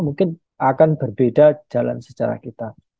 mungkin akan berbeda jalan sejarah kita